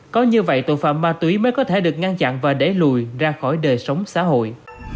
có như vậy tội phạm ma túy mới có thể được ngăn chặn và đẩy lùi ra khỏi đời sống xã hội